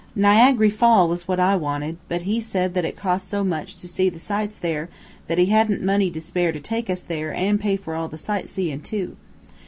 Niagery Fall was what I wanted, but he said that it cost so much to see the sights there that he hadn't money to spare to take us there an' pay for all the sight seein', too.